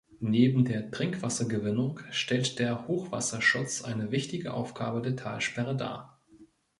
Neben der Trinkwassergewinnung stellt der Hochwasserschutz eine wichtige Aufgabe der Talsperre dar.